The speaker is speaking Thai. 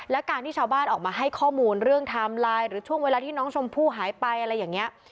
และการที่ชาวบ้านออกมาให้ข้อมูลเรื่องไทม์ไลน์หรือช่วงเวลาที่น้องชมพู่หายไปอะไรอย่างนี้